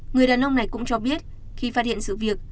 người đàn ông này cũng cho biết khi phát hiện sự việc